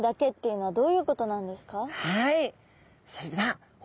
はい。